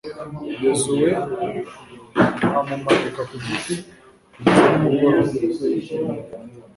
yozuwe amumanika ku giti kugeza nimugoroba